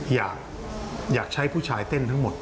อยากใช้ผู้ชายเต้นทั้งหมด